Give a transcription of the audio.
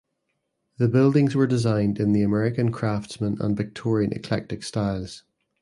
The buildings were designed in the American Craftsman and Victorian Eclectic styles.